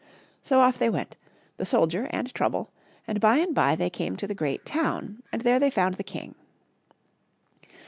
So off they went — the soldier and Trouble — and by and by they came to the great town and there they found the king.